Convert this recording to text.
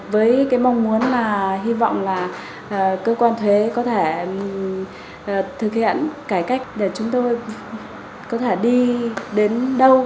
với cái mong muốn là hy vọng là cơ quan thuế có thể thực hiện cải cách để chúng tôi có thể đi đến đâu